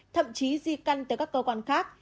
thậm chí di căn tới các cơ quan khác